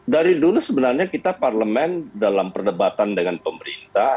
dari dulu sebenarnya kita parlemen dalam perdebatan dengan pemerintah